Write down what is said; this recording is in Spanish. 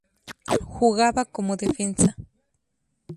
Jugaba como defensa.